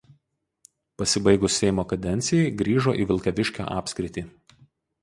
Pasibaigus seimo kadencijai grįžo į Vilkaviškio apskritį.